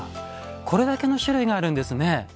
これだけの種類があるんですね。